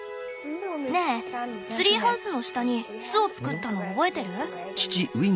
ねえツリーハウスの下に巣を作ったの覚えてる？